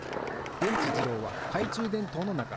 でんちじろうはかいちゅうでんとうのなか。